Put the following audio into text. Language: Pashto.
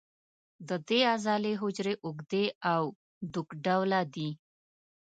د دې عضلې حجرې اوږدې او دوک ډوله دي.